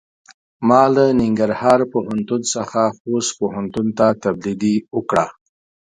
ما له ننګرهار پوهنتون څخه خوست پوهنتون ته تبدیلي وکړۀ.